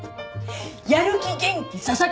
やる気元気佐々木！